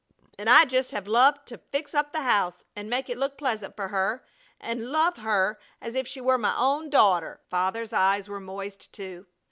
And I'd just have loved to fix up the house and make it look pleasant for her and love her as if she were my own daughter." Father's eyes were moist, too.